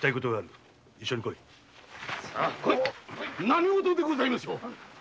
何事でございましょう？